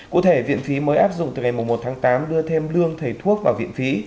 cụ thể viện phí mới áp dụng từ ngày một tháng tám đưa thêm lương thầy thuốc vào viện phí